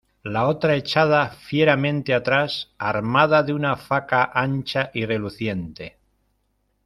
la otra echada fieramente atrás, armada de una faca ancha y reluciente.